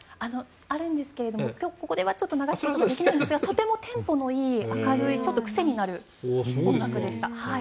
あるんですがここではちょっと流すことができないんですがとてもテンポのいい、明るい癖になる音楽でした。